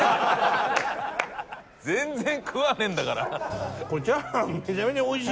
全然食わないんだから。